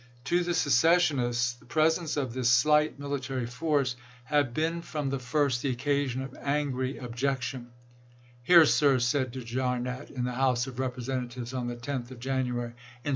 To the seces sionists the presence of this slight military force THE NATIONAL DEFENSE 147 had been from the first the occasion of angry ob chap. x. jection. " Here, sir," said De Jarnette in the House of Representatives on the 10th of January, "in lsei.